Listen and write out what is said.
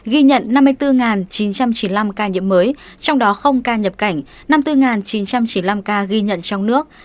ghi nhận năm mươi bốn chín trăm chín mươi năm ca nhiễm mới trong đó không ca nhập cảnh năm mươi bốn chín trăm chín mươi năm ca ghi nhận trong nước